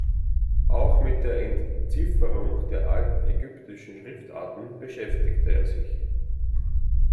Auch mit der Entzifferung der alten ägyptischen Schriftarten beschäftigte er sich.